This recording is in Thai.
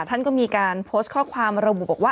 ท่านก็มีการโพสต์ข้อความระบุบอกว่า